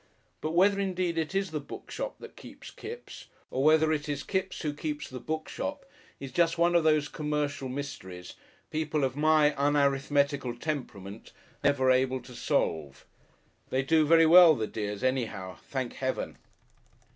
But whether indeed it is the bookshop that keeps Kipps or whether it is Kipps who keeps the bookshop is just one of those commercial mysteries people of my unarithmetical temperament are never able to solve. They do very well, the dears, anyhow, thank Heaven!